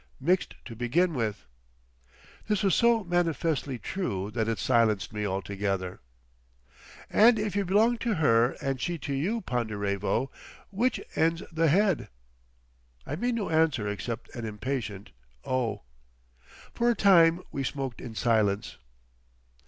Mixed to begin with." This was so manifestly true that it silenced me altogether. "And if you belong to her and she to you, Ponderevo—which end's the head?" I made no answer except an impatient "oh!" For a time we smoked in silence....